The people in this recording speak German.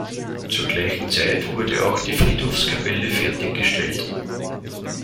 Zur gleichen Zeit wurde auch die Friedhofskapelle fertiggestellt.